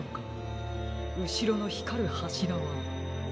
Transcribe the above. うしろのひかるはしらは。